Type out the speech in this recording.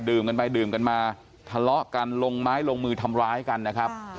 กันไปดื่มกันมาทะเลาะกันลงไม้ลงมือทำร้ายกันนะครับ